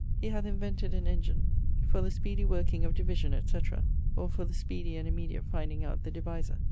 He hath invented an engine for the speedie working of division, etc., or for the speedie and immediate finding out the divisor.